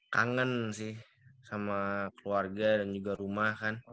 kangen sih sama keluarga dan juga rumah kan